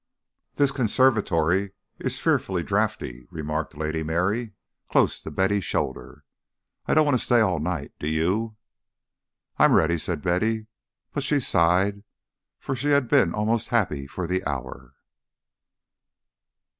"This conservatory is fearfully draughty," remarked Lady Mary, close to Betty's shoulder. "I don't want to stay all night, do you?" "I am ready," said Betty; but she sighed, for she had been almost happy for the hour.